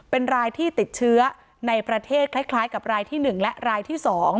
เป็นรายที่ติดเชื้อในประเทศคล้ายกับรายที่๑และรายที่๒